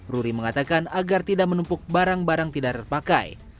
ruri mengatakan agar tidak menumpuk barang barang tidak terpakai